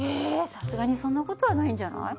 さすがにそんな事はないんじゃない？